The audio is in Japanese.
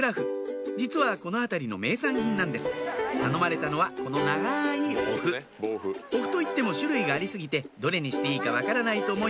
実はこの辺りの名産品なんです頼まれたのはこの長いお麩お麩といっても種類があり過ぎてどれにしていいか分からないと思い